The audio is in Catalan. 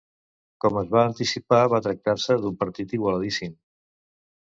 Com es va anticipar va tractar-se d'un partit igualadíssim.